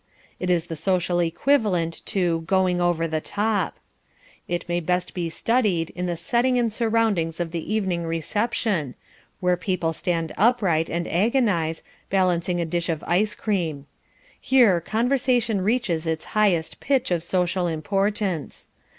It is the social equivalent to "going over the top." It may best be studied in the setting and surroundings of the Evening Reception, where people stand upright and agonise, balancing a dish of ice cream. Here conversation reaches its highest pitch of social importance.